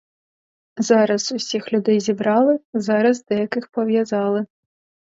Зараз усіх людей зібрали, зараз деяких пов'язали.